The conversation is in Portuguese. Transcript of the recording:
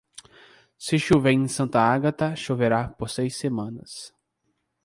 Se chover em Santa Agata, choverá por seis semanas.